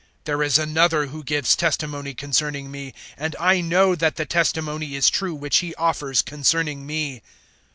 005:032 There is Another who gives testimony concerning me, and I know that the testimony is true which He offers concerning me.